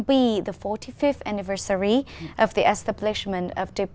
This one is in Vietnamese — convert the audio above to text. khi chúng ta nói về phương pháp phát triển năng lượng